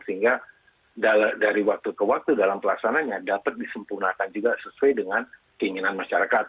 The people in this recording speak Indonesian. sehingga dari waktu ke waktu dalam pelaksananya dapat disempurnakan juga sesuai dengan keinginan masyarakat